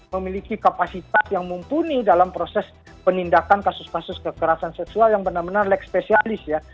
memiliki kapasitas yang mumpuni dalam proses penindakan kasus kasus kekerasan seksual yang benar benar leks spesialis ya